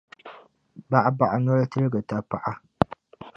Baɣibaɣi noli tiligi tapaɣa.